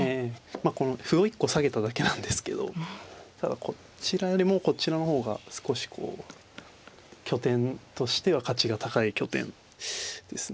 まあこの歩を１個下げただけなんですけどこちらよりもこちらの方が少しこう拠点としては価値が高い拠点ですね。